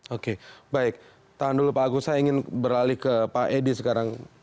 oke baik tahan dulu pak agus saya ingin beralih ke pak edi sekarang